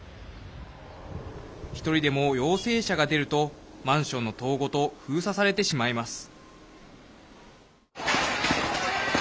１人でも陽性者が出るとマンションの棟ごと封鎖されてしまいます。